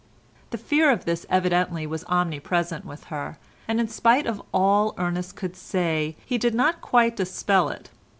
The fear of this evidently was omnipresent with her, and in spite of all Ernest could say he did not quite dispel it.